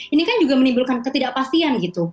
ini kan juga menimbulkan ketidakpastian gitu